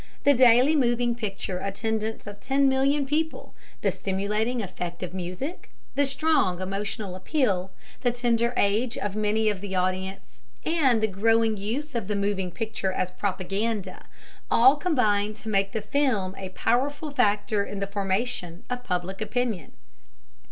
The daily moving picture attendance of ten million people, the stimulating effect of music, the strong emotional appeal, the tender age of many of the audience, and the growing use of the moving picture as propaganda, all combine to make the film a powerful factor in the formation of Public Opinion.